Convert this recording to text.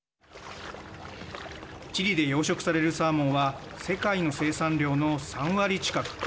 チリで養殖されるサーモンは世界の生産量の３割近く。